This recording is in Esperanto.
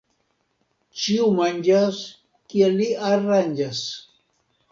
Ĉiu manĝas, kiel li aranĝas.